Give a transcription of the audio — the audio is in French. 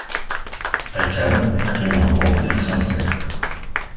Achab exprime un repentir sincère.